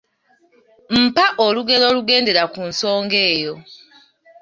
Mpa olugero olugendera ku nsonga eyo.